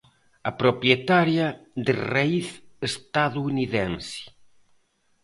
A propietaria, de raíz estadounidense.